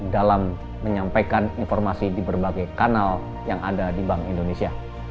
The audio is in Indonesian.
dalam menyampaikan informasi di berbagai kanal yang ada di bank indonesia